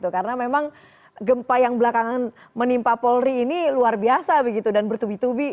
karena memang gempa yang belakangan menimpa polri ini luar biasa dan bertubi tubi